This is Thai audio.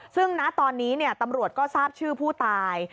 ซึ่งณตอนนี้ตำรวจก็ทราบชื่อผู้ตาย